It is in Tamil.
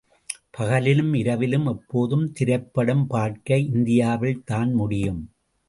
பகலிலும் இரவிலும் எப்போதும் திரைப்படம் பார்க்க இந்தியாவில் தான் முடியும்!